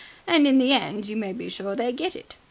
And in the end you may be sure they get it.